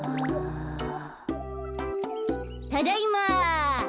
・ただいま。